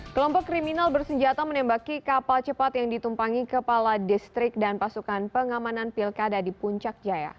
kelompok kriminal bersenjata menembaki kapal cepat yang ditumpangi kepala distrik dan pasukan pengamanan pilkada di puncak jaya